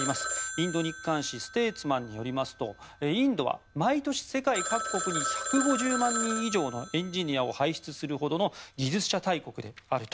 インド日刊紙ステーツマンによりますとインドは毎年、世界各国に１５０万人以上のエンジニアを輩出するほどの技術者大国であると。